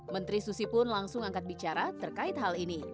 menteri susi pun langsung angkat bicara terkait hal ini